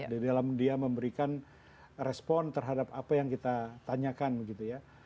di dalam dia memberikan respon terhadap apa yang kita tanyakan gitu ya